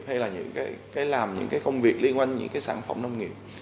hay là những cái làm những cái công việc liên quan những cái sản phẩm nông nghiệp